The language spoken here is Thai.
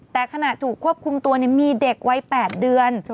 แต่ขณะถูกควบคุมตัวมีเด็กวัย๘เดือน